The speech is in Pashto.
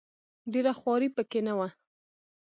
ډېره خواري په کې نه وه.